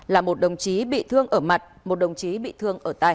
là một đồng chí bị thương ở mặt một đồng chí bị thương ở tài